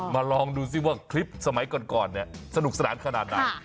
ลองดูซิว่าคลิปสมัยก่อนเนี่ยสนุกสนานขนาดไหน